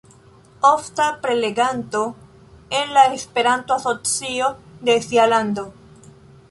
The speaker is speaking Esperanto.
Ofta preleganto en la Esperanto-asocio de sia lando.